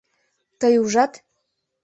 Тый ужат?